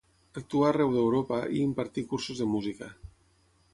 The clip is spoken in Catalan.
Actuà arreu d'Europa i impartí cursos de música.